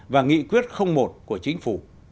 và nghị quyết một của chính phủ